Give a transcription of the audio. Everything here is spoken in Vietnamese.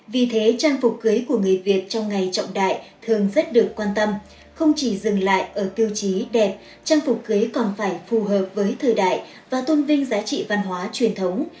vì thế trang phục cưới của người việt trong ngày trọng đại thường rất được quan tâm không chỉ dừng lại ở tiêu chí đẹp trang phục cưới còn phải phù hợp với thời đại và tôn vinh giá trị văn hóa truyền thống